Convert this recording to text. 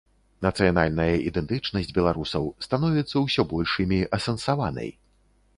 Нацыянальная ідэнтычнасць беларусаў становіцца ўсё больш імі асэнсаванай.